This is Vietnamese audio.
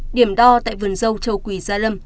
điểm đo tại vườn dâu châu quỳ gia lâm